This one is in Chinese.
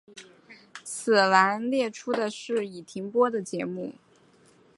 此栏列出的是已停播节目。